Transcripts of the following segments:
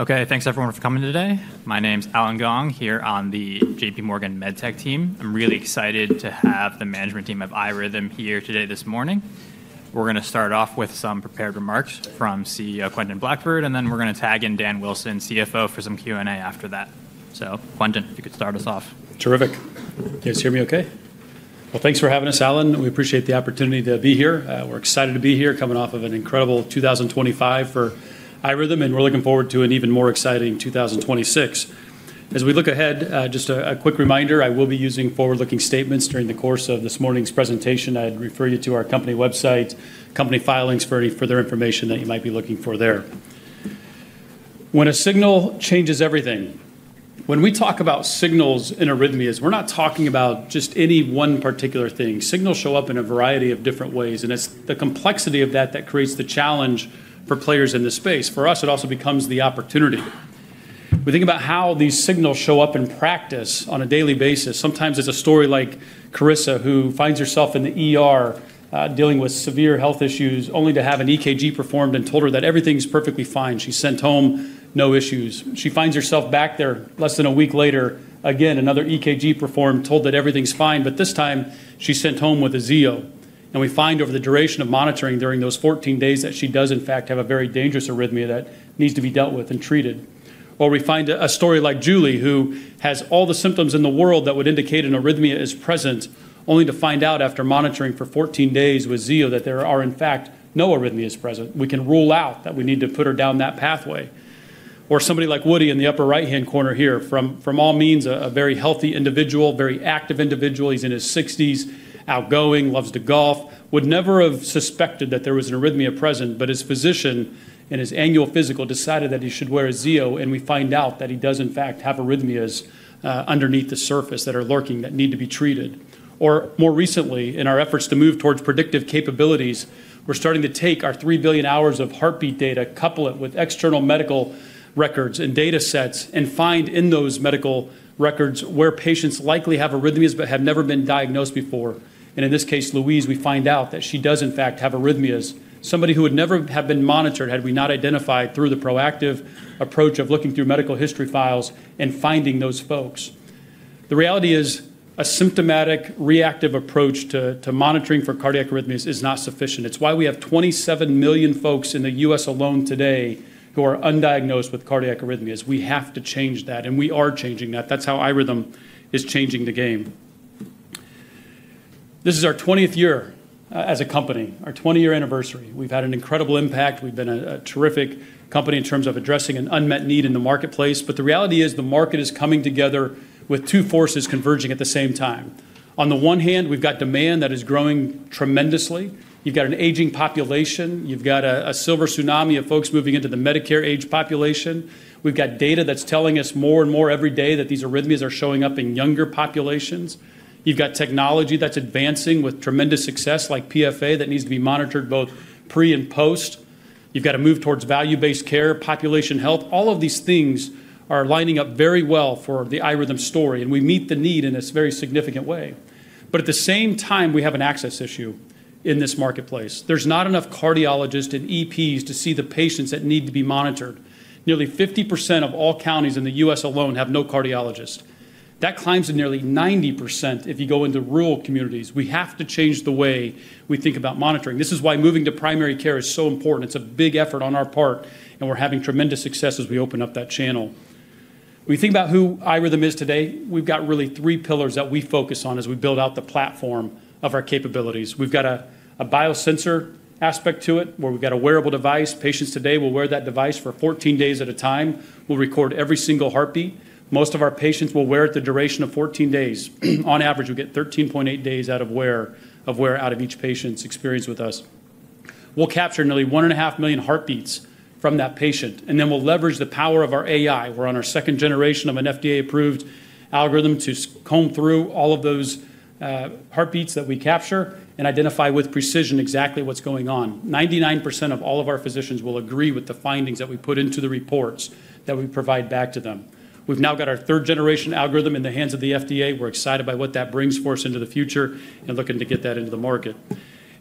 Okay, thanks everyone for coming today. My name's Allen Gong here on the JPMorgan MedTech team. I'm really excited to have the management team of iRhythm here today this morning. We're going to start off with some prepared remarks from CEO Quentin Blackford, and then we're going to tag in Dan Wilson, CFO, for some Q&A after that. So Quentin, if you could start us off. Terrific. Can you guys hear me okay? Thanks for having us, Allen. We appreciate the opportunity to be here. We're excited to be here coming off of an incredible 2025 for iRhythm, and we're looking forward to an even more exciting 2026. As we look ahead, just a quick reminder, I will be using forward-looking statements during the course of this morning's presentation. I'd refer you to our company website, company filings, for any further information that you might be looking for there. When a signal changes everything, when we talk about signals in arrhythmias, we're not talking about just any one particular thing. Signals show up in a variety of different ways, and it's the complexity of that that creates the challenge for players in this space. For us, it also becomes the opportunity. We think about how these signals show up in practice on a daily basis. Sometimes it's a story like Carissa, who finds herself dealing with severe health issues, only to have an EKG performed and told her that everything's perfectly fine. She's sent home, no issues. She finds herself back there less than a week later, again, another EKG performed, told that everything's fine, but this time she's sent home with a Zio, and we find over the duration of monitoring during those 14 days that she does, in fact, have a very dangerous arrhythmia that needs to be dealt with and treated, or we find a story like Julie, who has all the symptoms in the world that would indicate an arrhythmia is present, only to find out after monitoring for 14 days with Zio that there are, in fact, no arrhythmias present. We can rule out that we need to put her down that pathway. Or somebody like Woody in the upper right-hand corner here, by all means, a very healthy individual, very active individual. He's in his 60s, outgoing, loves to golf, would never have suspected that there was an arrhythmia present, but his physician and his annual physical decided that he should wear a Zio, and we find out that he does, in fact, have arrhythmias underneath the surface that are lurking that need to be treated. Or more recently, in our efforts to move towards predictive capabilities, we're starting to take our 3 billion hours of heartbeat data, couple it with external medical records and data sets, and find in those medical records where patients likely have arrhythmias but have never been diagnosed before, and in this case, Louise, we find out that she does, in fact, have arrhythmias. Somebody who would never have been monitored had we not identified through the proactive approach of looking through medical history files and finding those folks. The reality is an asymptomatic, reactive approach to monitoring for cardiac arrhythmias is not sufficient. It's why we have 27 million folks in the U.S. alone today who are undiagnosed with cardiac arrhythmias. We have to change that, and we are changing that. That's how iRhythm is changing the game. This is our 20th year as a company, our 20-year anniversary. We've had an incredible impact. We've been a terrific company in terms of addressing an unmet need in the marketplace. But the reality is the market is coming together with two forces converging at the same time. On the one hand, we've got demand that is growing tremendously. You've got an aging population. You've got a silver tsunami of folks moving into the Medicare-aged population. We've got data that's telling us more and more every day that these arrhythmias are showing up in younger populations. You've got technology that's advancing with tremendous success, like PFA, that needs to be monitored both pre and post. You've got to move towards value-based care, population health. All of these things are lining up very well for the iRhythm story, and we meet the need in this very significant way. But at the same time, we have an access issue in this marketplace. There's not enough cardiologists and EPs to see the patients that need to be monitored. Nearly 50% of all counties in the U.S. alone have no cardiologists. That climbs to nearly 90% if you go into rural communities. We have to change the way we think about monitoring. This is why moving to primary care is so important. It's a big effort on our part, and we're having tremendous success as we open up that channel. When you think about who iRhythm is today, we've got really three pillars that we focus on as we build out the platform of our capabilities. We've got a biosensor aspect to it, where we've got a wearable device. Patients today will wear that device for 14 days at a time. We'll record every single heartbeat. Most of our patients will wear it the duration of 14 days. On average, we get 13.8 days out of wear out of each patient's experience with us. We'll capture nearly 1.5 million heartbeats from that patient, and then we'll leverage the power of our AI. We're on our second generation of an FDA-approved algorithm to comb through all of those heartbeats that we capture and identify with precision exactly what's going on. 99% of all of our physicians will agree with the findings that we put into the reports that we provide back to them. We've now got our third-generation algorithm in the hands of the FDA. We're excited by what that brings for us into the future and looking to get that into the market.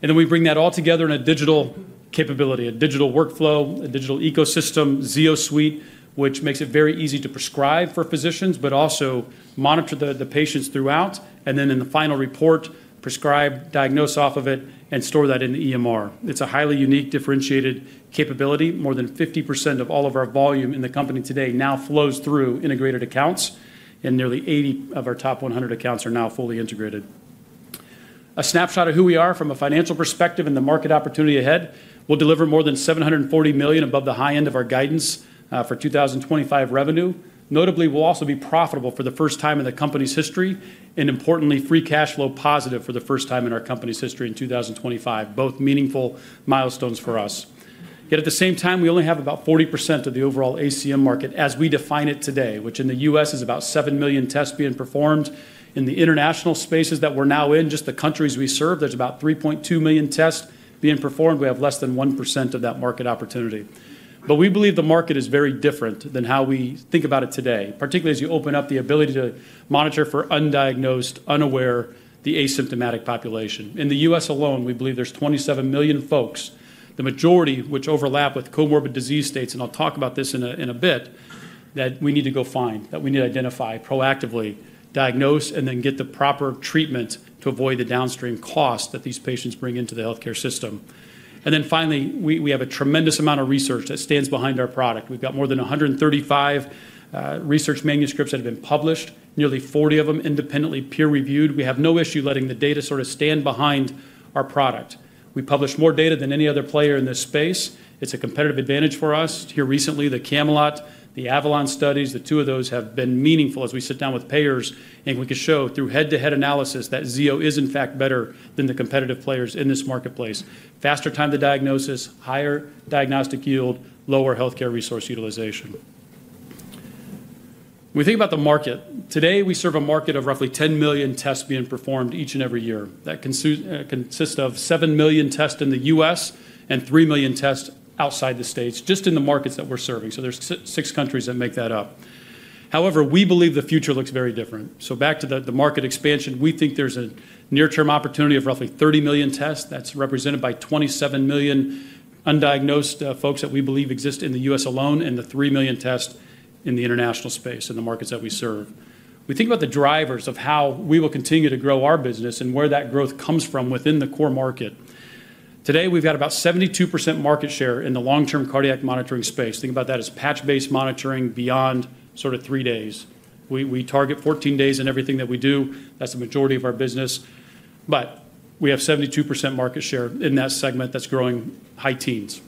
And then we bring that all together in a digital capability, a digital workflow, a digital ecosystem, ZioSuite, which makes it very easy to prescribe for physicians, but also monitor the patients throughout, and then in the final report, prescribe, diagnose off of it, and store that in the EMR. It's a highly unique, differentiated capability. More than 50% of all of our volume in the company today now flows through integrated accounts, and nearly 80 of our top 100 accounts are now fully integrated. A snapshot of who we are from a financial perspective and the market opportunity ahead. We'll deliver more than $740 million above the high end of our guidance for 2025 revenue. Notably, we'll also be profitable for the first time in the company's history and, importantly, free cash flow positive for the first time in our company's history in 2025, both meaningful milestones for us. Yet at the same time, we only have about 40% of the overall ACM market as we define it today, which in the U.S. is about 7 million tests being performed. In the international spaces that we're now in, just the countries we serve, there's about 3.2 million tests being performed. We have less than 1% of that market opportunity. But we believe the market is very different than how we think about it today, particularly as you open up the ability to monitor for undiagnosed, unaware, the asymptomatic population. In the U.S. alone, we believe there's 27 million folks, the majority, which overlap with comorbid disease states, and I'll talk about this in a bit, that we need to go find, that we need to identify proactively, diagnose, and then get the proper treatment to avoid the downstream cost that these patients bring into the healthcare system. And then finally, we have a tremendous amount of research that stands behind our product. We've got more than 135 research manuscripts that have been published, nearly 40 of them independently peer-reviewed. We have no issue letting the data sort of stand behind our product. We publish more data than any other player in this space. It's a competitive advantage for us. Here recently, the CAMELOT, the AVALON studies, the two of those have been meaningful as we sit down with payers, and we can show through head-to-head analysis that Zio is, in fact, better than the competitive players in this marketplace. Faster time to diagnosis, higher diagnostic yield, lower healthcare resource utilization. When we think about the market, today we serve a market of roughly 10 million tests being performed each and every year. That consists of 7 million tests in the U.S. and 3 million tests outside the states, just in the markets that we're serving. So there's six countries that make that up. However, we believe the future looks very different. So back to the market expansion, we think there's a near-term opportunity of roughly 30 million tests. That's represented by 27 million undiagnosed folks that we believe exist in the U.S. alone and the 3 million tests in the international space in the markets that we serve. We think about the drivers of how we will continue to grow our business and where that growth comes from within the core market. Today, we've got about 72% market share in the long-term cardiac monitoring space. Think about that as patch-based monitoring beyond sort of three days. We target 14 days in everything that we do. That's the majority of our business. But we have 72% market share in that segment that's growing high teens.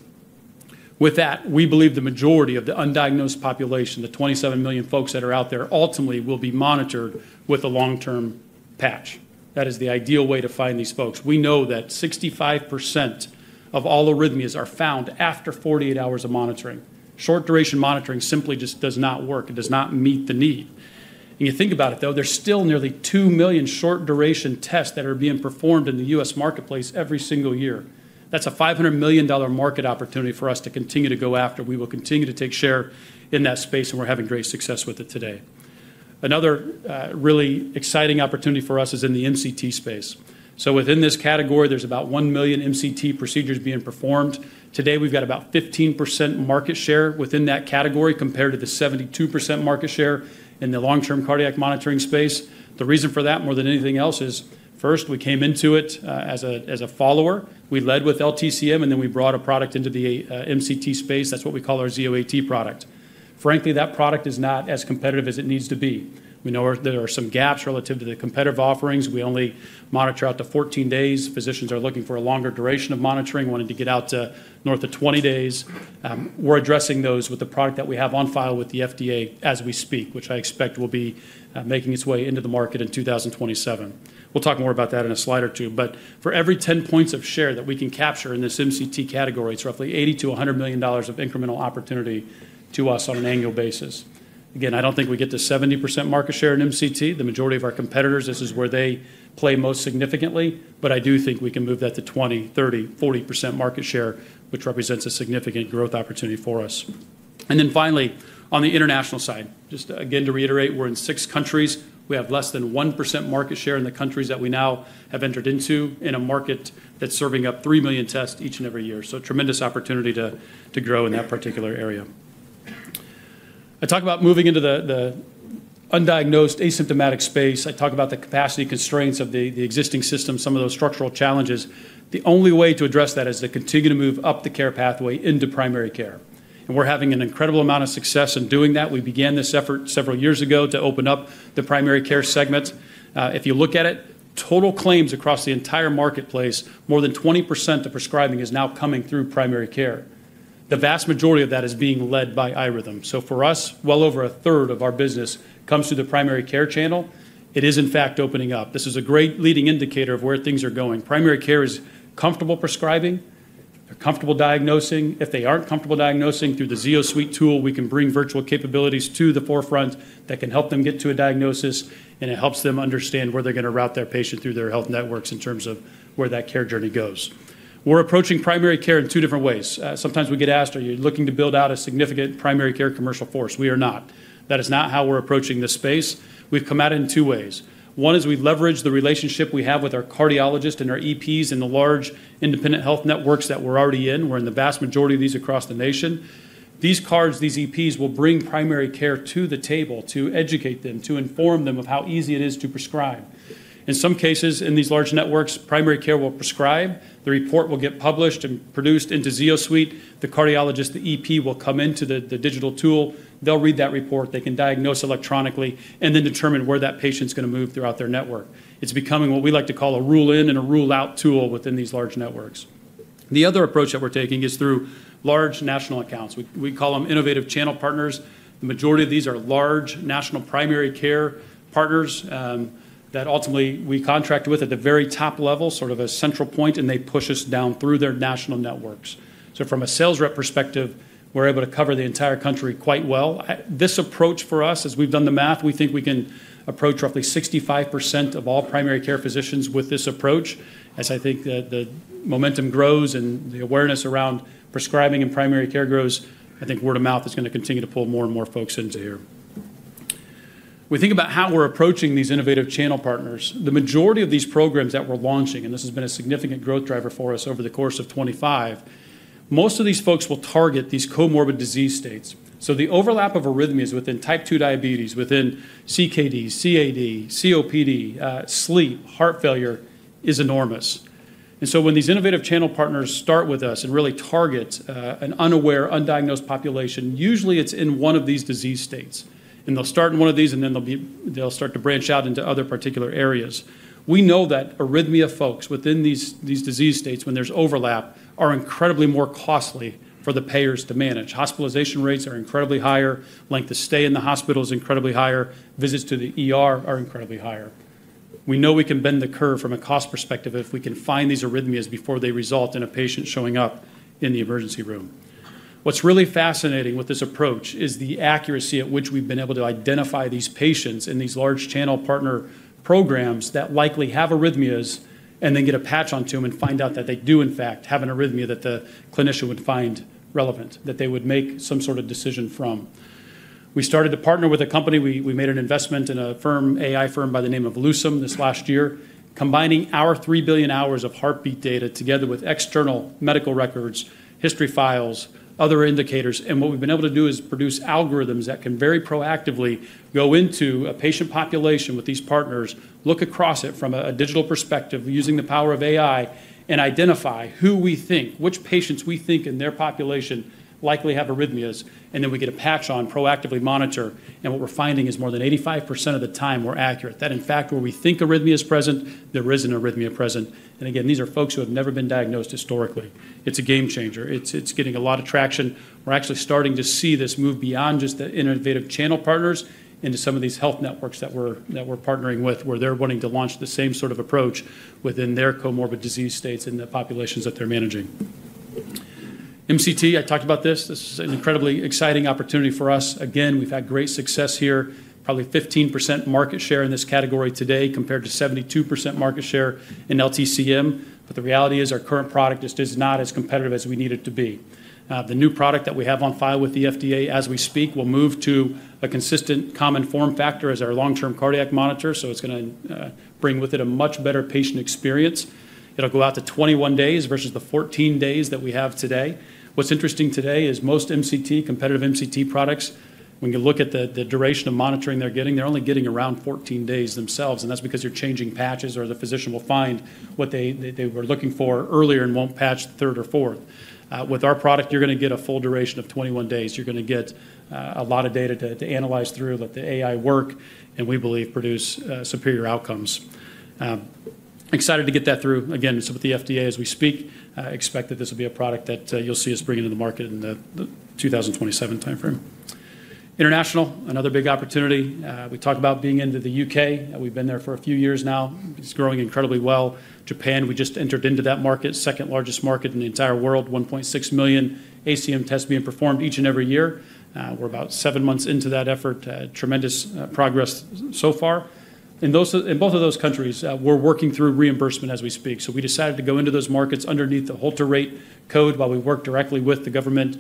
With that, we believe the majority of the undiagnosed population, the 27 million folks that are out there, ultimately will be monitored with a long-term patch. That is the ideal way to find these folks. We know that 65% of all arrhythmias are found after 48 hours of monitoring. Short-duration monitoring simply just does not work. It does not meet the need. And you think about it, though, there's still nearly 2 million short-duration tests that are being performed in the U.S. marketplace every single year. That's a $500 million market opportunity for us to continue to go after. We will continue to take share in that space, and we're having great success with it today. Another really exciting opportunity for us is in the MCT space. So within this category, there's about 1 million MCT procedures being performed. Today, we've got about 15% market share within that category compared to the 72% market share in the long-term cardiac monitoring space. The reason for that, more than anything else, is first, we came into it as a follower. We led with LTCM, and then we brought a product into the MCT space. That's what we call our Zio AT product. Frankly, that product is not as competitive as it needs to be. We know there are some gaps relative to the competitive offerings. We only monitor out to 14 days. Physicians are looking for a longer duration of monitoring, wanting to get out to north of 20 days. We're addressing those with the product that we have on file with the FDA as we speak, which I expect will be making its way into the market in 2027. We'll talk more about that in a slide or two. But for every 10 points of share that we can capture in this MCT category, it's roughly $80 million-$100 million of incremental opportunity to us on an annual basis. Again, I don't think we get to 70% market share in MCT. The majority of our competitors, this is where they play most significantly, but I do think we can move that to 20%, 30%, 40% market share, which represents a significant growth opportunity for us and then finally, on the international side, just again to reiterate, we're in six countries. We have less than 1% market share in the countries that we now have entered into in a market that's serving up three million tests each and every year so tremendous opportunity to grow in that particular area. I talk about moving into the undiagnosed, asymptomatic space. I talk about the capacity constraints of the existing system, some of those structural challenges. The only way to address that is to continue to move up the care pathway into primary care. We're having an incredible amount of success in doing that. We began this effort several years ago to open up the primary care segment. If you look at it, total claims across the entire marketplace, more than 20% of prescribing is now coming through primary care. The vast majority of that is being led by iRhythm. So for us, well over a 1/3 of our business comes through the primary care channel. It is, in fact, opening up. This is a great leading indicator of where things are going. Primary care is comfortable prescribing, comfortable diagnosing. If they aren't comfortable diagnosing, through the ZioSuite tool, we can bring virtual capabilities to the forefront that can help them get to a diagnosis, and it helps them understand where they're going to route their patient through their health networks in terms of where that care journey goes. We're approaching primary care in two different ways. Sometimes we get asked, are you looking to build out a significant primary care commercial force? We are not. That is not how we're approaching this space. We've come at it in two ways. One is we leverage the relationship we have with our cardiologists and our EPs and the large independent health networks that we're already in. We're in the vast majority of these across the nation. These cardiologists, these EPs will bring primary care to the table, to educate them, to inform them of how easy it is to prescribe. In some cases, in these large networks, primary care will prescribe. The report will get published and produced into ZioSuite. The cardiologist, the EP will come into the digital tool. They'll read that report. They can diagnose electronically and then determine where that patient's going to move throughout their network. It's becoming what we like to call a rule-in and a rule-out tool within these large networks. The other approach that we're taking is through large national accounts. We call them innovative channel partners. The majority of these are large national primary care partners that ultimately we contract with at the very top level, sort of a central point, and they push us down through their national networks. So from a sales rep perspective, we're able to cover the entire country quite well. This approach for us, as we've done the math, we think we can approach roughly 65% of all primary care physicians with this approach. As I think the momentum grows and the awareness around prescribing and primary care grows, I think word of mouth is going to continue to pull more and more folks into here. When we think about how we're approaching these innovative channel partners, the majority of these programs that we're launching, and this has been a significant growth driver for us over the course of 25, most of these folks will target these comorbid disease states. So the overlap of arrhythmias within type 2 diabetes, within CKD, CAD, COPD, sleep, heart failure is enormous. And so when these innovative channel partners start with us and really target an unaware, undiagnosed population, usually it's in one of these disease states. And they'll start in one of these, and then they'll start to branch out into other particular areas. We know that arrhythmia folks within these disease states, when there's overlap, are incredibly more costly for the payers to manage. Hospitalization rates are incredibly higher. Length of stay in the hospital is incredibly higher. Visits to the ER are incredibly higher. We know we can bend the curve from a cost perspective if we can find these arrhythmias before they result in a patient showing up in the emergency room. What's really fascinating with this approach is the accuracy at which we've been able to identify these patients in these large channel partner programs that likely have arrhythmias and then get a patch onto them and find out that they do, in fact, have an arrhythmia that the clinician would find relevant, that they would make some sort of decision from. We started to partner with a company. We made an investment in an AI firm by the name of Lucem this last year, combining our 3 billion hours of heartbeat data together with external medical records, history files, other indicators. And what we've been able to do is produce algorithms that can very proactively go into a patient population with these partners, look across it from a digital perspective using the power of AI, and identify who we think, which patients we think in their population likely have arrhythmias, and then we get a patch on, proactively monitor. And what we're finding is more than 85% of the time we're accurate. That, in fact, where we think arrhythmia is present, there is an arrhythmia present. And again, these are folks who have never been diagnosed historically. It's a game changer. It's getting a lot of traction. We're actually starting to see this move beyond just the innovative channel partners into some of these health networks that we're partnering with, where they're wanting to launch the same sort of approach within their comorbid disease states in the populations that they're managing. MCT, I talked about this. This is an incredibly exciting opportunity for us. Again, we've had great success here. Probably 15% market share in this category today compared to 72% market share in LTCM. But the reality is our current product just is not as competitive as we need it to be. The new product that we have on file with the FDA as we speak will move to a consistent common form factor as our long-term cardiac monitor. So it's going to bring with it a much better patient experience. It'll go out to 21 days versus the 14 days that we have today. What's interesting today is most MCT, competitive MCT products, when you look at the duration of monitoring they're getting, they're only getting around 14 days themselves. And that's because you're changing patches or the physician will find what they were looking for earlier and won't patch third or fourth. With our product, you're going to get a full duration of 21 days. You're going to get a lot of data to analyze through that the AI work and we believe produce superior outcomes. Excited to get that through. Again, so with the FDA as we speak, expect that this will be a product that you'll see us bringing to the market in the 2027 timeframe. International, another big opportunity. We talk about being into the U.K. We've been there for a few years now. It's growing incredibly well. Japan, we just entered into that market, second largest market in the entire world, 1.6 million ACM tests being performed each and every year. We're about seven months into that effort. Tremendous progress so far. In both of those countries, we're working through reimbursement as we speak. So we decided to go into those markets underneath the Holter rate code while we work directly with the government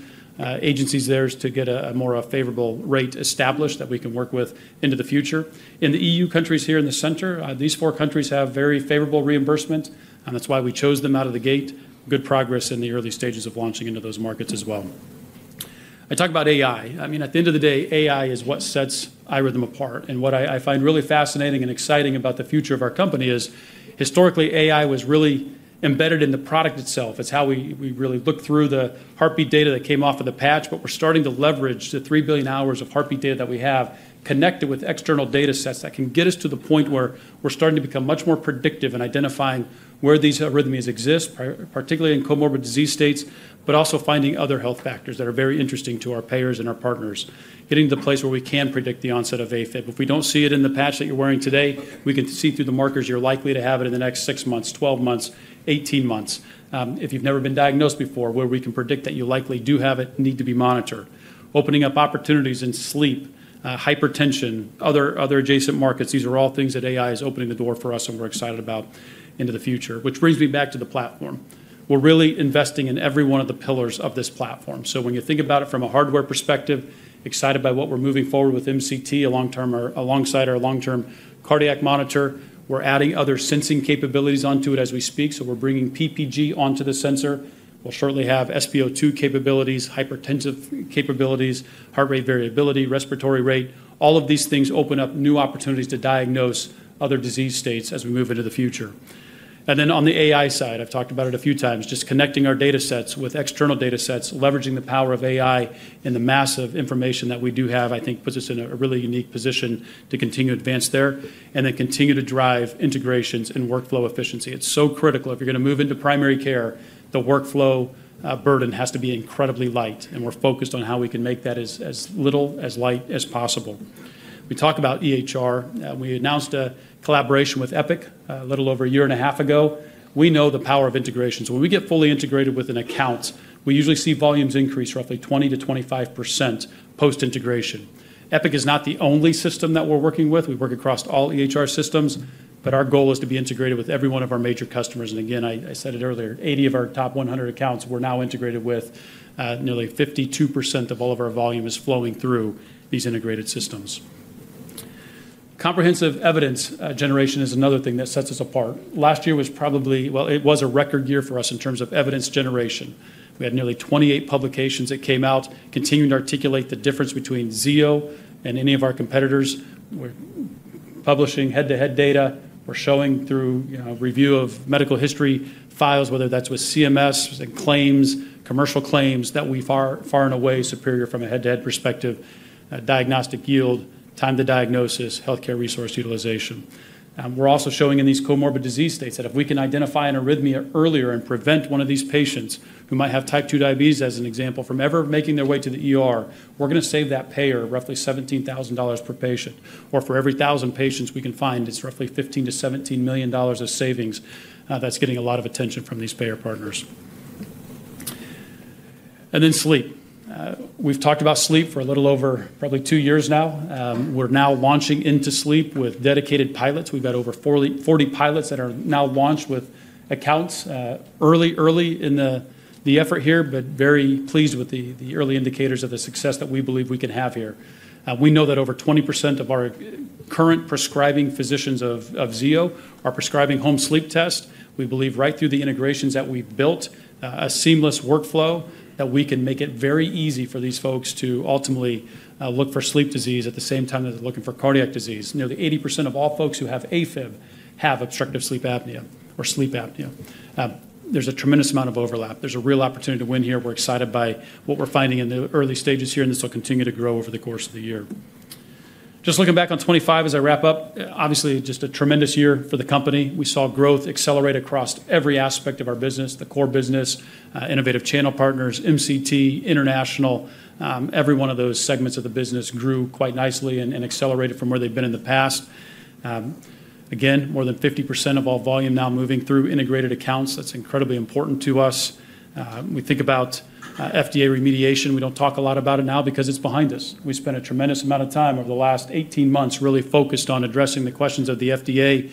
agencies there to get a more favorable rate established that we can work with into the future. In the EU countries here in the center, these four countries have very favorable reimbursement. And that's why we chose them out of the gate. Good progress in the early stages of launching into those markets as well. I talk about AI. I mean, at the end of the day, AI is what sets iRhythm apart. And what I find really fascinating and exciting about the future of our company is historically AI was really embedded in the product itself. It's how we really look through the heartbeat data that came off of the patch. But we're starting to leverage the three billion hours of heartbeat data that we have connected with external data sets that can get us to the point where we're starting to become much more predictive in identifying where these arrhythmias exist, particularly in comorbid disease states, but also finding other health factors that are very interesting to our payers and our partners. Getting to the place where we can predict the onset of AFib. If we don't see it in the patch that you're wearing today, we can see through the markers you're likely to have it in the next six months, 12 months, 18 months. If you've never been diagnosed before, where we can predict that you likely do have it, need to be monitored. Opening up opportunities in sleep, hypertension, other adjacent markets. These are all things that AI is opening the door for us and we're excited about into the future. Which brings me back to the platform. We're really investing in every one of the pillars of this platform. So when you think about it from a hardware perspective, excited by what we're moving forward with MCT alongside our long-term cardiac monitor. We're adding other sensing capabilities onto it as we speak. So we're bringing PPG onto the sensor. We'll shortly have SpO2 capabilities, hypertensive capabilities, heart rate variability, respiratory rate. All of these things open up new opportunities to diagnose other disease states as we move into the future. And then on the AI side, I've talked about it a few times, just connecting our data sets with external data sets, leveraging the power of AI and the massive information that we do have. I think puts us in a really unique position to continue to advance there and then continue to drive integrations and workflow efficiency. It's so critical. If you're going to move into primary care, the workflow burden has to be incredibly light. And we're focused on how we can make that as little, as light as possible. We talk about EHR. We announced a collaboration with Epic a little over a year and a half ago. We know the power of integrations. When we get fully integrated with an account, we usually see volumes increase roughly 20%-25% post-integration. Epic is not the only system that we're working with. We work across all EHR systems, but our goal is to be integrated with every one of our major customers. Again, I said it earlier, 80 of our top 100 accounts we're now integrated with. Nearly 52% of all of our volume is flowing through these integrated systems. Comprehensive evidence generation is another thing that sets us apart. Last year was probably, well, it was a record year for us in terms of evidence generation. We had nearly 28 publications that came out, continuing to articulate the difference between Zio and any of our competitors. We're publishing head-to-head data. We're showing through review of medical history files, whether that's with CMS and claims, commercial claims that we've far and away superior from a head-to-head perspective, diagnostic yield, time to diagnosis, healthcare resource utilization. We're also showing in these comorbid disease states that if we can identify an arrhythmia earlier and prevent one of these patients who might have type 2 diabetes as an example from ever making their way to the. We're going to save that payer roughly $17,000 per patient. Or for every 1,000 patients we can find, it's roughly $15 million-$17 million of savings. That's getting a lot of attention from these payer partners and then sleep. We've talked about sleep for a little over probably two years now. We're now launching into sleep with dedicated pilots. We've got over 40 pilots that are now launched with accounts early, early in the effort here, but very pleased with the early indicators of the success that we believe we can have here. We know that over 20% of our current prescribing physicians of Zio are prescribing home sleep tests. We believe, right through the integrations that we've built, a seamless workflow that we can make it very easy for these folks to ultimately look for sleep disease at the same time that they're looking for cardiac disease. Nearly 80% of all folks who have AFib have obstructive sleep apnea or sleep apnea. There's a tremendous amount of overlap. There's a real opportunity to win here. We're excited by what we're finding in the early stages here, and this will continue to grow over the course of the year. Just looking back on 2025 as I wrap up, obviously just a tremendous year for the company. We saw growth accelerate across every aspect of our business, the core business, innovative channel partners, MCT, international. Every one of those segments of the business grew quite nicely and accelerated from where they've been in the past. Again, more than 50% of all volume now moving through integrated accounts. That's incredibly important to us. We think about FDA remediation. We don't talk a lot about it now because it's behind us. We spent a tremendous amount of time over the last 18 months really focused on addressing the questions of the FDA,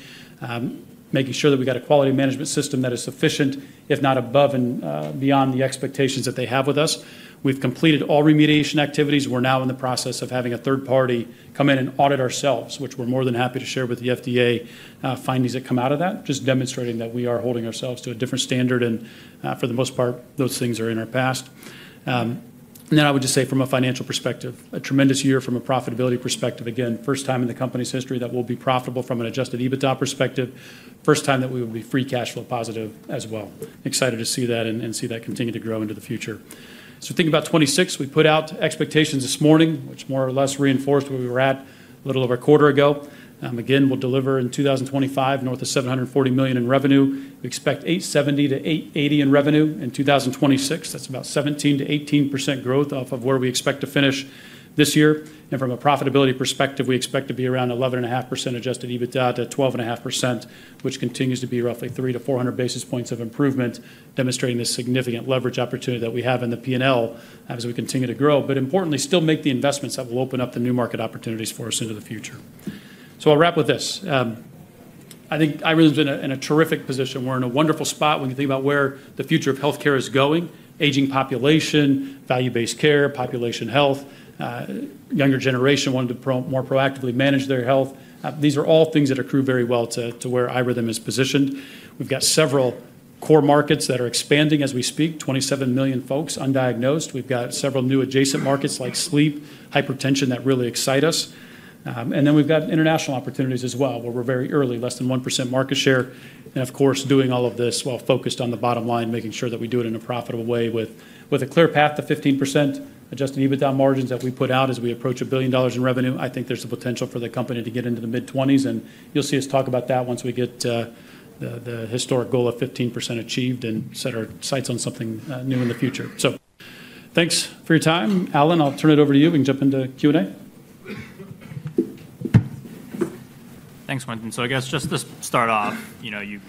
making sure that we got a quality management system that is sufficient, if not above and beyond the expectations that they have with us. We've completed all remediation activities. We're now in the process of having a third party come in and audit ourselves, which we're more than happy to share with the FDA findings that come out of that, just demonstrating that we are holding ourselves to a different standard, and for the most part, those things are in our past. And then I would just say from a financial perspective, a tremendous year from a profitability perspective. Again, first time in the company's history that we'll be profitable from an adjusted EBITDA perspective, first time that we will be free cash flow positive as well. Excited to see that and see that continue to grow into the future. So think about 2026. We put out expectations this morning, which more or less reinforced where we were at a little over a quarter ago. Again, we'll deliver in 2025 north of $740 million in revenue. We expect $870 million-$880 million in revenue in 2026. That's about 17%-18% growth off of where we expect to finish this year. From a profitability perspective, we expect to be around 11.5%-12.5% adjusted EBITDA, which continues to be roughly 300-400 basis points of improvement, demonstrating the significant leverage opportunity that we have in the P&L as we continue to grow, but importantly, still make the investments that will open up the new market opportunities for us into the future. I'll wrap with this. I think iRhythm's in a terrific position. We're in a wonderful spot when you think about where the future of healthcare is going, aging population, value-based care, population health, younger generation wanting to more proactively manage their health. These are all things that accrue very well to where iRhythm is positioned. We've got several core markets that are expanding as we speak, 27 million folks undiagnosed. We've got several new adjacent markets like sleep, hypertension that really excite us. Then we've got international opportunities as well, where we're very early, less than 1% market share. Of course, doing all of this while focused on the bottom line, making sure that we do it in a profitable way with a clear path to 15% adjusted EBITDA margins that we put out as we approach $1 billion in revenue. I think there's a potential for the company to get into the mid-20s. You'll see us talk about that once we get the historic goal of 15% achieved and set our sights on something new in the future. Thanks for your time. Allen, I'll turn it over to you. We can jump into Q&A. Thanks, Quentin. I guess just to start off, you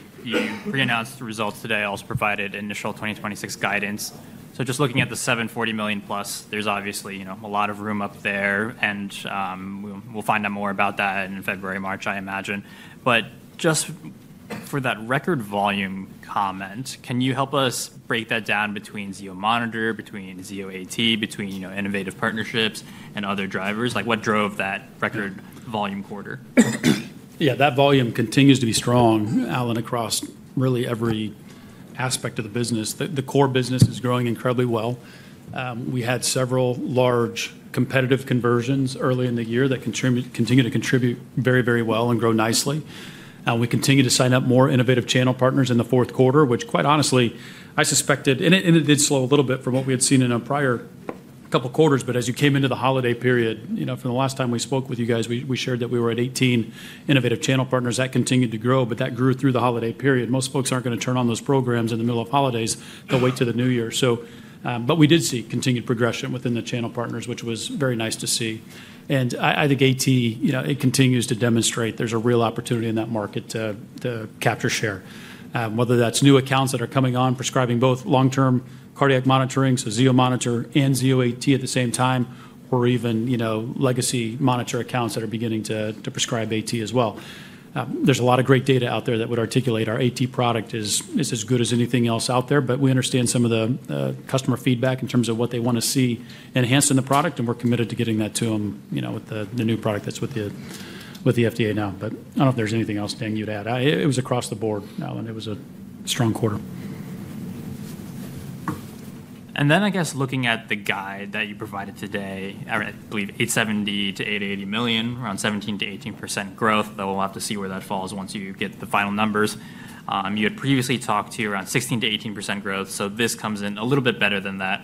pre-announced the results today. I also provided initial 2026 guidance. So just looking at the $740+ million, there's obviously a lot of room up there. And we'll find out more about that in February, March, I imagine. But just for that record volume comment, can you help us break that down between Zio Monitor, between Zio AT, between innovative partnerships and other drivers? What drove that record volume quarter? Yeah, that volume continues to be strong, Allen, across really every aspect of the business. The core business is growing incredibly well. We had several large competitive conversions early in the year that continue to contribute very, very well and grow nicely. We continue to sign up more innovative channel partners in the fourth quarter, which quite honestly, I suspected, and it did slow a little bit from what we had seen in a prior couple of quarters. But as you came into the holiday period, from the last time we spoke with you guys, we shared that we were at 18 innovative channel partners. That continued to grow, but that grew through the holiday period. Most folks aren't going to turn on those programs in the middle of holidays. They'll wait to the new year. But we did see continued progression within the channel partners, which was very nice to see. And I think AT, it continues to demonstrate there's a real opportunity in that market to capture share, whether that's new accounts that are coming on, prescribing both long-term cardiac monitoring, so Zio Monitor and Zio AT at the same time, or even legacy monitor accounts that are beginning to prescribe AT as well. There's a lot of great data out there that would articulate our AT product is as good as anything else out there. We understand some of the customer feedback in terms of what they want to see enhanced in the product. We're committed to getting that to them with the new product that's with the FDA now. I don't know if there's anything else, Dan, you'd add. It was across the board, Allen. It was a strong quarter. Looking at the guide that you provided today, I believe $870 million-$880 million, around 17%-18% growth. We'll have to see where that falls once you get the final numbers. You had previously talked to around 16%-18% growth. This comes in a little bit better than that.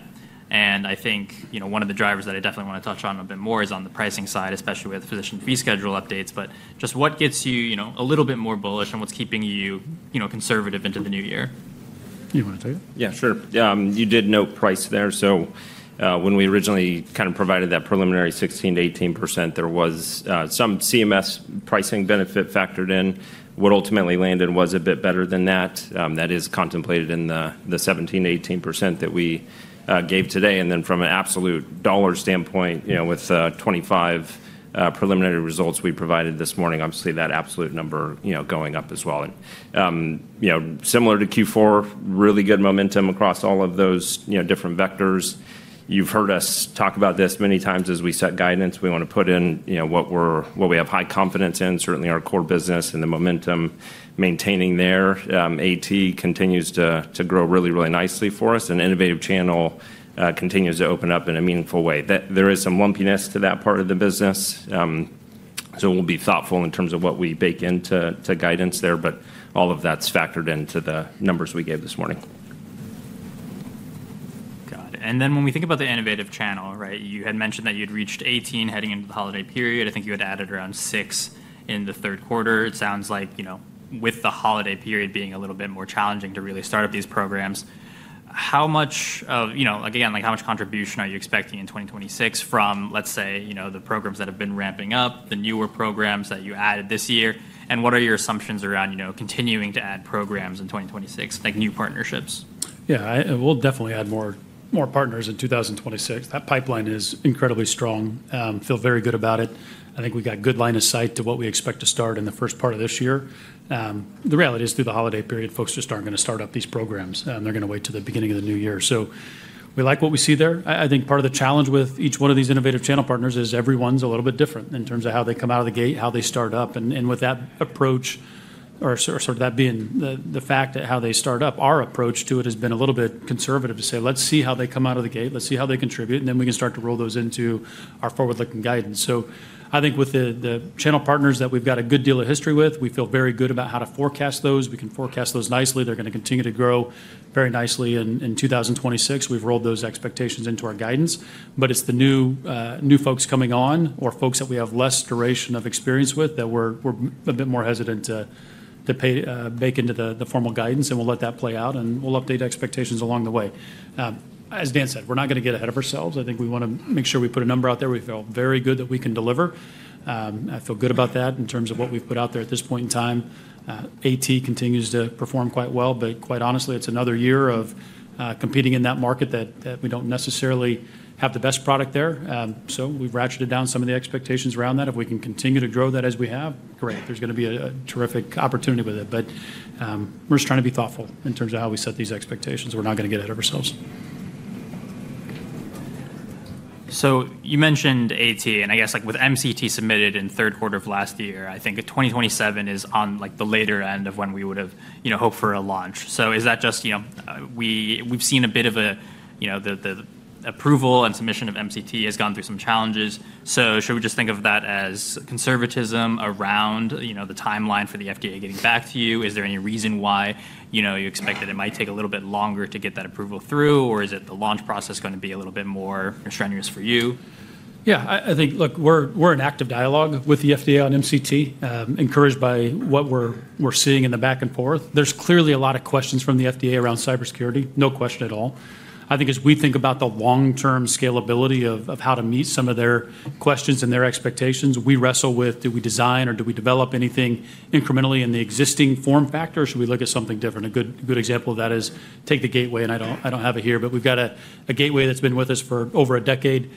One of the drivers that I definitely want to touch on a bit more is on the pricing side, especially with physician fee schedule updates. But just what gets you a little bit more bullish and what's keeping you conservative into the new year? You want to take it? Yeah, sure. You did note price there. So when we originally kind of provided that preliminary 16%-18%, there was some CMS pricing benefit factored in. What ultimately landed was a bit better than that. That is contemplated in the 17%-18% that we gave today. And then from an absolute dollar standpoint, with 2025 preliminary results we provided this morning, obviously that absolute number going up as well. And similar to Q4, really good momentum across all of those different vectors. You've heard us talk about this many times as we set guidance. We want to put in what we have high confidence in, certainly our core business and the momentum maintaining there. AT continues to grow really, really nicely for us. And innovative channel continues to open up in a meaningful way. There is some lumpiness to that part of the business. So we'll be thoughtful in terms of what we bake into guidance there. But all of that's factored into the numbers we gave this morning. Got it. And then when we think about the innovative channel, right, you had mentioned that you'd reached 18 heading into the holiday period. I think you had added around six in the third quarter. It sounds like with the holiday period being a little bit more challenging to really start up these programs, how much, again, how much contribution are you expecting in 2026 from, let's say, the programs that have been ramping up, the newer programs that you added this year? And what are your assumptions around continuing to add programs in 2026, like new partnerships? Yeah, we'll definitely add more partners in 2026. That pipeline is incredibly strong. Feel very good about it. I think we've got good line of sight to what we expect to start in the first part of this year. The reality is through the holiday period, folks just aren't going to start up these programs. They're going to wait to the beginning of the new year. So we like what we see there. I think part of the challenge with each one of these innovative channel partners is everyone's a little bit different in terms of how they come out of the gate, how they start up. And with that approach, or sort of that being the fact that how they start up, our approach to it has been a little bit conservative to say, let's see how they come out of the gate. Let's see how they contribute. And then we can start to roll those into our forward-looking guidance. So I think with the channel partners that we've got a good deal of history with, we feel very good about how to forecast those. We can forecast those nicely. They're going to continue to grow very nicely in 2026. We've rolled those expectations into our guidance. But it's the new folks coming on or folks that we have less duration of experience with that we're a bit more hesitant to bake into the formal guidance. And we'll let that play out. And we'll update expectations along the way. As Dan said, we're not going to get ahead of ourselves. I think we want to make sure we put a number out there we feel very good that we can deliver. I feel good about that in terms of what we've put out there at this point in time. AT continues to perform quite well. But quite honestly, it's another year of competing in that market that we don't necessarily have the best product there. So we've ratcheted down some of the expectations around that. If we can continue to grow that as we have, great. There's going to be a terrific opportunity with it. But we're just trying to be thoughtful in terms of how we set these expectations. We're not going to get ahead of ourselves. So you mentioned AT. And I guess with MCT submitted in third quarter of last year, I think 2027 is on the later end of when we would have hoped for a launch. So is that just we've seen a bit of the approval and submission of MCT has gone through some challenges? So should we just think of that as conservatism around the timeline for the FDA getting back to you? Is there any reason why you expect that it might take a little bit longer to get that approval through? Or is it the launch process going to be a little bit more strenuous for you? Yeah, I think, look, we're in active dialogue with the FDA on MCT, encouraged by what we're seeing in the back and forth. There's clearly a lot of questions from the FDA around cybersecurity. No question at all. I think as we think about the long-term scalability of how to meet some of their questions and their expectations, we wrestle with, do we design or do we develop anything incrementally in the existing form factor or should we look at something different? A good example of that is take the gateway. And I don't have it here, but we've got a gateway that's been with us for over a decade.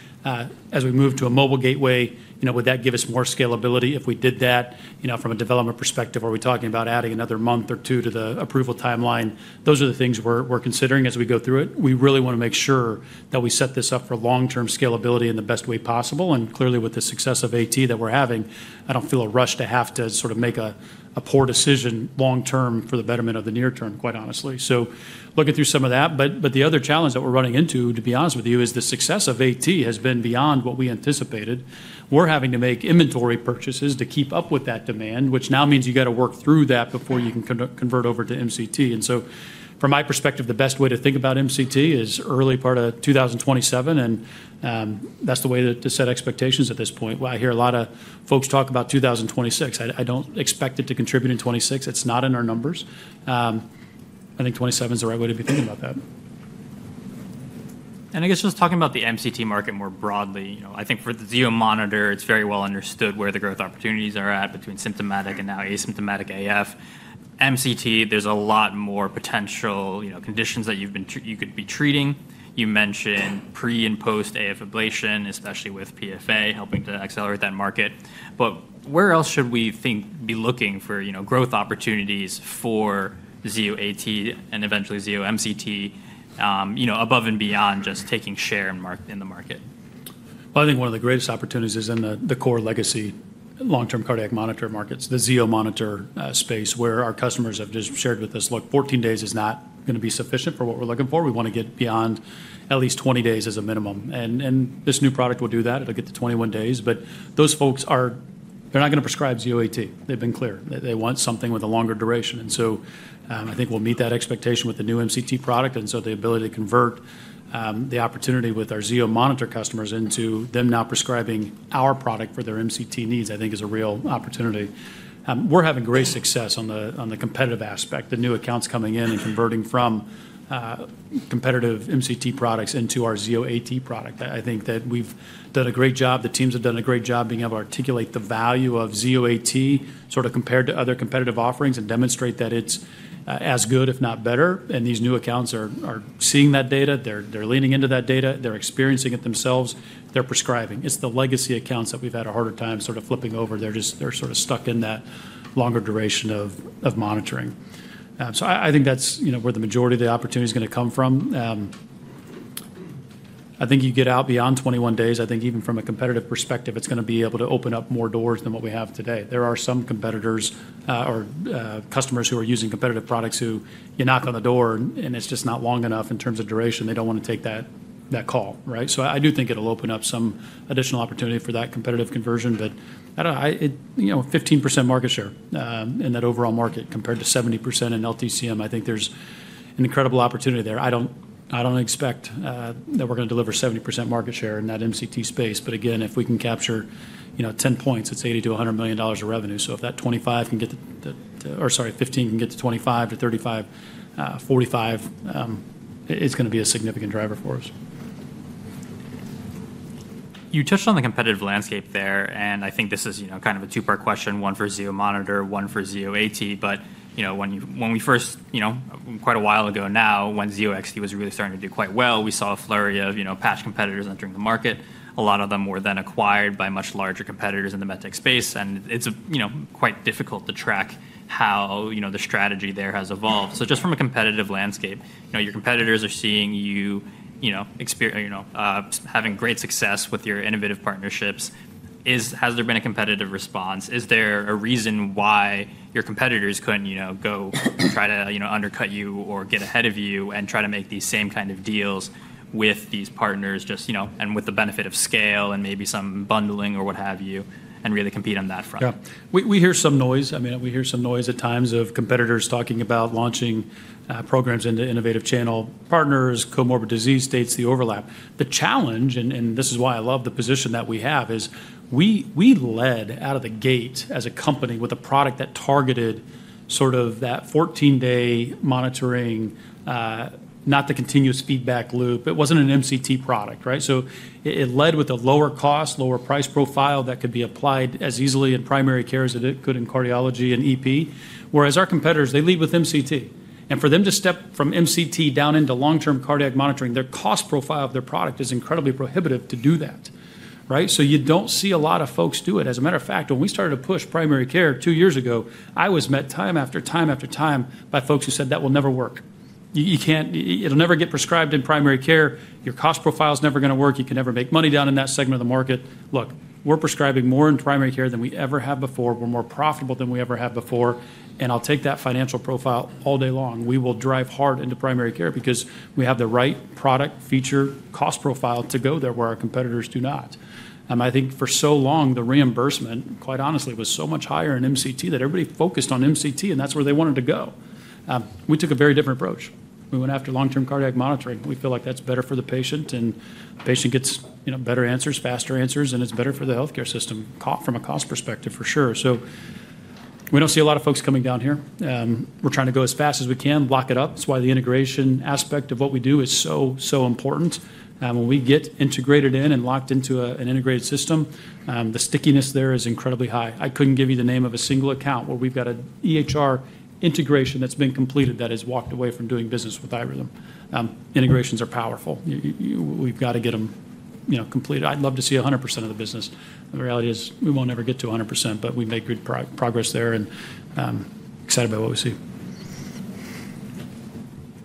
As we move to a mobile gateway, would that give us more scalability if we did that from a development perspective? Are we talking about adding another month or two to the approval timeline? Those are the things we're considering as we go through it. We really want to make sure that we set this up for long-term scalability in the best way possible. And clearly, with the success of AT that we're having, I don't feel a rush to have to sort of make a poor decision long-term for the betterment of the near term, quite honestly. So looking through some of that. But the other challenge that we're running into, to be honest with you, is the success of AT has been beyond what we anticipated. We're having to make inventory purchases to keep up with that demand, which now means you got to work through that before you can convert over to MCT, and so from my perspective, the best way to think about MCT is early part of 2027, and that's the way to set expectations at this point. I hear a lot of folks talk about 2026. I don't expect it to contribute in 2026. It's not in our numbers. I think 2027 is the right way to be thinking about that, And I guess just talking about the MCT market more broadly, I think for the Zio Monitor, it's very well understood where the growth opportunities are at between symptomatic and now asymptomatic AF. MCT, there's a lot more potential conditions that you could be treating. You mentioned pre and post AF ablation, especially with PFA helping to accelerate that market. Where else should we be looking for growth opportunities for Zio AT and eventually Zio MCT above and beyond just taking share in the market? I think one of the greatest opportunities is in the core legacy long-term cardiac monitor markets, the Zio Monitor space, where our customers have just shared with us, look, 14 days is not going to be sufficient for what we're looking for. We want to get beyond at least 20 days as a minimum. And this new product will do that. It'll get to 21 days. But those folks, they're not going to prescribe Zio AT. They've been clear. They want something with a longer duration. And so I think we'll meet that expectation with the new MCT product. And so the ability to convert the opportunity with our Zio Monitor customers into them now prescribing our product for their MCT needs, I think, is a real opportunity. We're having great success on the competitive aspect, the new accounts coming in and converting from competitive MCT products into our Zio AT product. I think that we've done a great job. The teams have done a great job being able to articulate the value of Zio AT sort of compared to other competitive offerings and demonstrate that it's as good, if not better. And these new accounts are seeing that data. They're leaning into that data. They're experiencing it themselves. They're prescribing. It's the legacy accounts that we've had a harder time sort of flipping over. They're sort of stuck in that longer duration of monitoring. So I think that's where the majority of the opportunity is going to come from. I think you get out beyond 21 days. I think even from a competitive perspective, it's going to be able to open up more doors than what we have today. There are some competitors or customers who are using competitive products who you knock on the door, and it's just not long enough in terms of duration. They don't want to take that call, right? So I do think it'll open up some additional opportunity for that competitive conversion. But 15% market share in that overall market compared to 70% in LTCM, I think there's an incredible opportunity there. I don't expect that we're going to deliver 70% market share in that MCT space. But again, if we can capture 10 points, it's $80 million-$100 million of revenue. So if that 25% can get to, or sorry, 15% can get to 25% to 35%, 45%, it's going to be a significant driver for us. You touched on the competitive landscape there. And I think this is kind of a two-part question, one for Zio Monitor, one for Zio AT. But when we first, quite a while ago now, when Zio XT was really starting to do quite well, we saw a flurry of patch competitors entering the market. A lot of them were then acquired by much larger competitors in the med tech space. And it's quite difficult to track how the strategy there has evolved. So just from a competitive landscape, your competitors are seeing you having great success with your innovative partnerships. Has there been a competitive response? Is there a reason why your competitors couldn't go try to undercut you or get ahead of you and try to make these same kind of deals with these partners and with the benefit of scale and maybe some bundling or what have you and really compete on that front? Yeah. We hear some noise. I mean, we hear some noise at times of competitors talking about launching programs into innovative channel partners, comorbid disease states, the overlap. The challenge, and this is why I love the position that we have, is we led out of the gate as a company with a product that targeted sort of that 14-day monitoring, not the continuous feedback loop. It wasn't an MCT product, right? So it led with a lower cost, lower price profile that could be applied as easily in primary care as it could in cardiology and EP. Whereas our competitors, they lead with MCT. And for them to step from MCT down into long-term cardiac monitoring, their cost profile of their product is incredibly prohibitive to do that, right? So you don't see a lot of folks do it. As a matter of fact, when we started to push primary care two years ago, I was met time after time after time by folks who said, that will never work. It'll never get prescribed in primary care. Your cost profile is never going to work. You can never make money down in that segment of the market. Look, we're prescribing more in primary care than we ever have before. We're more profitable than we ever have before. And I'll take that financial profile all day long. We will drive hard into primary care because we have the right product feature cost profile to go there where our competitors do not. I think for so long, the reimbursement, quite honestly, was so much higher in MCT that everybody focused on MCT, and that's where they wanted to go. We took a very different approach. We went after long-term cardiac monitoring. We feel like that's better for the patient, and the patient gets better answers, faster answers, and it's better for the healthcare system from a cost perspective, for sure, so we don't see a lot of folks coming down here. We're trying to go as fast as we can, lock it up. That's why the integration aspect of what we do is so, so important. When we get integrated in and locked into an integrated system, the stickiness there is incredibly high. I couldn't give you the name of a single account where we've got an EHR integration that's been completed that has walked away from doing business with iRhythm. Integrations are powerful. We've got to get them completed. I'd love to see 100% of the business. The reality is we won't ever get to 100%, but we make good progress there and excited about what we see.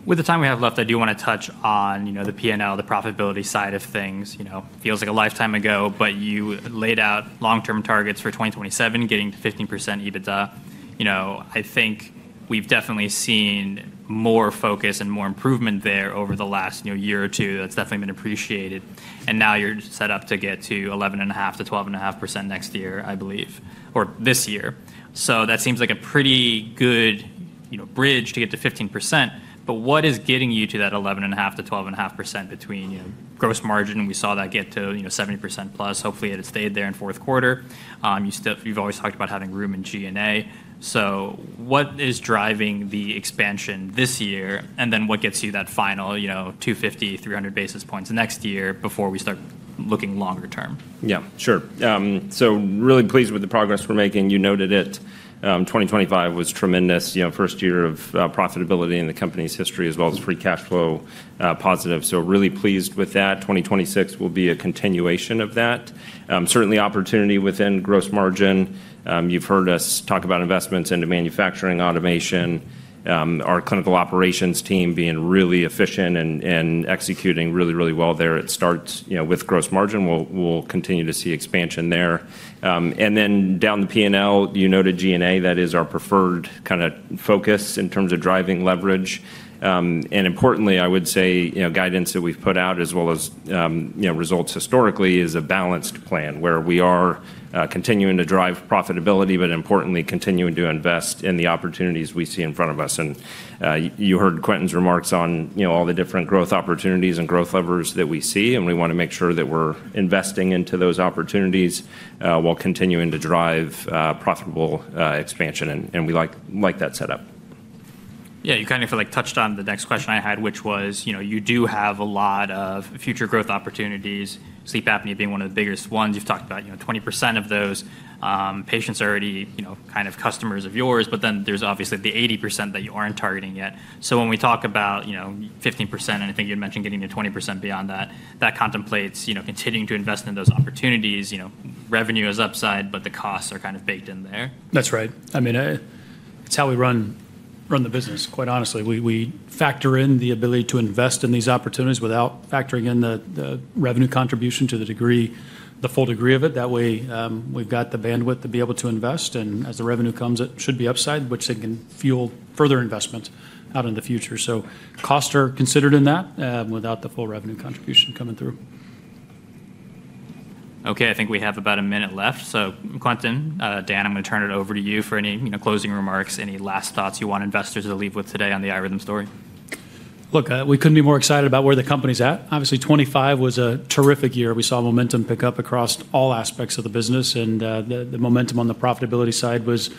With the time we have left, I do want to touch on the P&L, the profitability side of things. Feels like a lifetime ago, but you laid out long-term targets for 2027, getting to 15% EBITDA. I think we've definitely seen more focus and more improvement there over the last year or two. That's definitely been appreciated. And now you're set up to get to 11.5%-12.5% next year, I believe, or this year. So that seems like a pretty good bridge to get to 15%. But what is getting you to that 11.5%-12.5% between gross margin? We saw that get to 70%+. Hopefully, it had stayed there in fourth quarter. You've always talked about having room in G&A. So what is driving the expansion this year? And then what gets you that final 250-300 basis points next year before we start looking longer term? Yeah, sure. So really pleased with the progress we're making. You noted it. 2025 was tremendous. First year of profitability in the company's history, as well as free cash flow positive. So really pleased with that. 2026 will be a continuation of that. Certainly opportunity within gross margin. You've heard us talk about investments into manufacturing automation. Our clinical operations team being really efficient and executing really, really well there. It starts with gross margin. We'll continue to see expansion there. And then down the P&L, you noted G&A. That is our preferred kind of focus in terms of driving leverage. And importantly, I would say guidance that we've put out, as well as results historically, is a balanced plan where we are continuing to drive profitability, but importantly, continuing to invest in the opportunities we see in front of us. And you heard Quentin's remarks on all the different growth opportunities and growth levers that we see. And we want to make sure that we're investing into those opportunities while continuing to drive profitable expansion. And we like that setup. Yeah, you kind of touched on the next question I had, which was you do have a lot of future growth opportunities, sleep apnea being one of the biggest ones. You've talked about 20% of those. Patients are already kind of customers of yours, but then there's obviously the 80% that you aren't targeting yet. So when we talk about 15%, and I think you had mentioned getting to 20% beyond that, that contemplates continuing to invest in those opportunities. Revenue is upside, but the costs are kind of baked in there. That's right. I mean, it's how we run the business, quite honestly. We factor in the ability to invest in these opportunities without factoring in the revenue contribution to the full degree of it. That way, we've got the bandwidth to be able to invest. And as the revenue comes, it should be upside, which can fuel further investment out in the future. So costs are considered in that without the full revenue contribution coming through. Okay, I think we have about a minute left. So Quentin, Dan, I'm going to turn it over to you for any closing remarks, any last thoughts you want investors to leave with today on the iRhythm story. Look, we couldn't be more excited about where the company's at. Obviously, 2025 was a terrific year. We saw momentum pick up across all aspects of the business. And the momentum on the profitability side was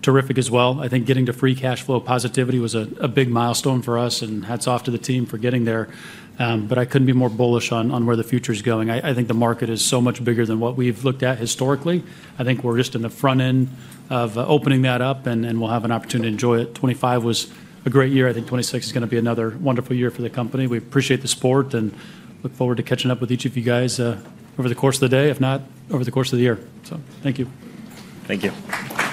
terrific as well. I think getting to free cash flow positivity was a big milestone for us. And hats off to the team for getting there. But I couldn't be more bullish on where the future is going. I think the market is so much bigger than what we've looked at historically. I think we're just in the front end of opening that up, and we'll have an opportunity to enjoy it. 2025 was a great year. I think 2026 is going to be another wonderful year for the company. We appreciate the support and look forward to catching up with each of you guys over the course of the day, if not over the course of the year. So thank you. Thank you.